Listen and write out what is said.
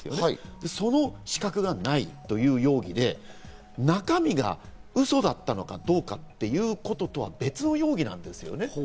その資格がないという容疑で中身がウソだったのかどうかということとは別の容疑なんですね。